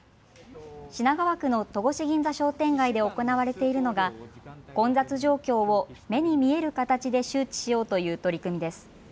品川区の戸越銀座商店街で行われているのが混雑状況を目に見える形で周知しようという取り組みです。